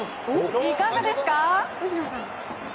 いかがですか？